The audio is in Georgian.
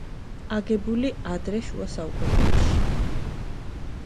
აგებული ადრე შუა საუკუნეებში.